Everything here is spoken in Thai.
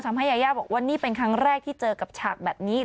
ยายาบอกว่านี่เป็นครั้งแรกที่เจอกับฉากแบบนี้